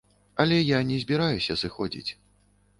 Але я не збіраюся сыходзіць.